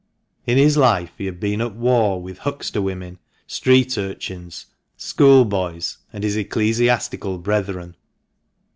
In his life he had been at war with huckster women, street urchins, school boys, and his ecclesiastical brethren.